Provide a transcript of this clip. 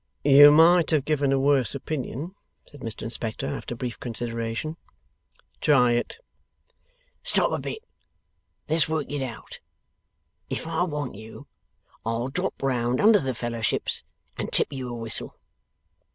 'You might have given a worse opinion,' said Mr Inspector, after brief consideration. 'Try it.' 'Stop a bit. Let's work it out. If I want you, I'll drop round under the Fellowships and tip you a whistle.